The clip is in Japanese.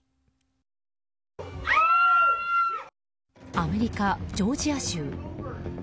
アメリカ・ジョージア州。